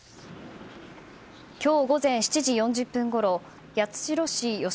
今日午前７時４０分ごろ八代市由